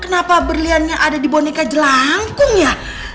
kenapa berliannya ada di boneka jelangkung ya